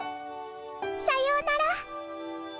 さようなら。